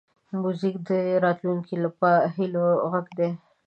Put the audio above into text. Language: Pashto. موزیک د راتلونکو هیلو غږ دی.